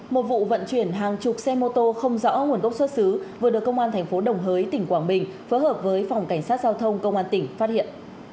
một vụ vận chuyển hàng chục xe mô tô không rõ nguồn gốc xuất xứ vừa được công an thành phố đồng hới tỉnh quảng bình phối hợp với phòng cảnh sát giao thông công an tỉnh phát hiện